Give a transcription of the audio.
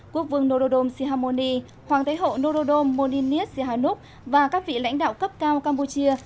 quốc vương nolodom sihamoni hoàng thái hậu nolodom monini sihamoni và các vị lãnh đạo cấp cao campuchia